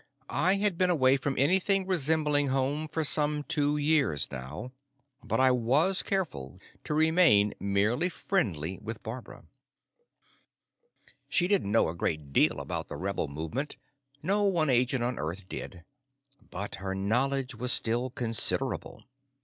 I had been away from anything resembling home for some two years now. But I was careful to remain merely friendly with Barbara. She didn't know a great deal about the rebel movement no one agent on Earth did but her knowledge was still considerable.